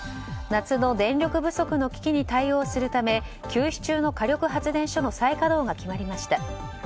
夏の電力不足の危機に対応するため休止中の火力発電所の再稼働が決まりました。